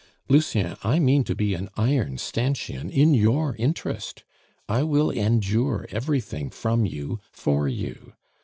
Lucien, I mean to be an iron stanchion in your interest; I will endure everything from you, for you.